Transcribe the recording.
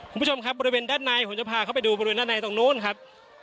คุณผู้ชมครับบริเวณด้านในผมจะพาเขาไปดูบริเวณด้านในตรงนู้นครับ